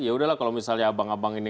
ya udahlah kalau misalnya abang abang ini